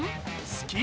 好き？